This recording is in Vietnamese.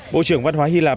bộ trưởng văn hóa hy lạp